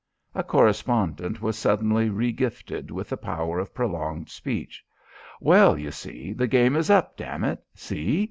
A correspondent was suddenly regifted with the power of prolonged speech. "Well, you see, the game is up, damn it. See?